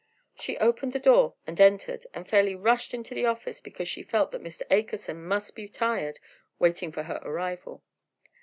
She opened the door and entered. She fairly rushed into the office because she felt that Mr. Akerson must be tired waiting for her arrival.